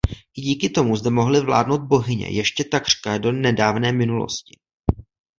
I díky tomu zde mohly vládnout bohyně ještě takřka do nedávné minulosti.